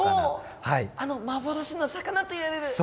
あの幻の魚といわれる。